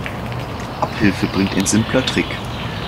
Abhilfe bringt ein simpler Trick.